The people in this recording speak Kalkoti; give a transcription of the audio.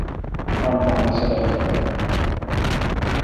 مٹھ پا ماسلہ این۔